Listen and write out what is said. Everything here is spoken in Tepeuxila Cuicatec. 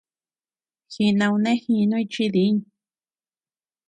Jinaunejinuñ chi diñ.